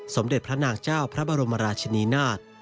สมเด็จพระนางเจ้าพระบรมราชินีนาฏ